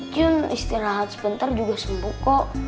kim istirahat sebentar juga sembuh kok